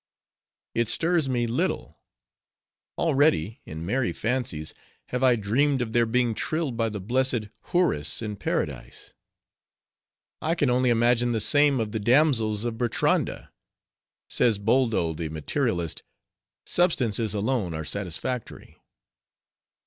— 'It stirs me little; already, in merry fancies, have I dreamed of their being trilled by the blessed houris in paradise; I can only imagine the same of the damsels of Bertranda.' Says Boldo, the Materialist,—'Substances alone are satisfactory.